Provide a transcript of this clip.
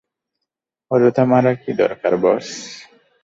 অযথা মারার কী দরকার, বস?